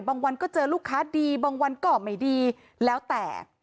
บางวันก็เจอลูกค้าดีบางวันก็ไม่ดีแล้วแต่